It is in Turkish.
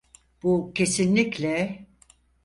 Bu kesinlikle…